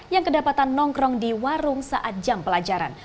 yang kedapatan nongkrong di warung saat jam pelajaran